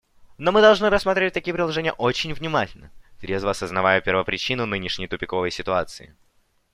Но мы должны рассматривать такие предложения очень внимательно, трезво осознавая первопричину нынешней тупиковой ситуации.